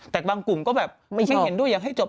แต่บางกลุ่มก็แบบไม่เห็นด้วยยังไม่ชอบ